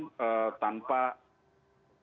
supaya tetap menjaga kesatuan dan kesatuan